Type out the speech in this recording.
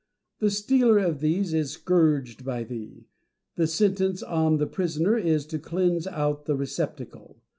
The stealer of these is scourged by thee ; the sentence on the poisoner is to cleanse out the receptacle.